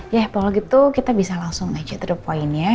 ya kalau gitu kita bisa langsung aja to the point nya